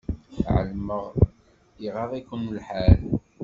Ɛelmeɣ iɣaḍ-ikem lḥal.